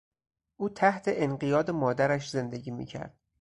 او تحت انقیاد مادرش زندگی میکرد.